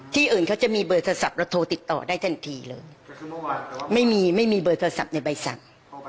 อื่นเขาจะมีเบอร์โทรศัพท์แล้วโทรติดต่อได้ทันทีเลยไม่มีไม่มีเบอร์โทรศัพท์ในใบสั่ง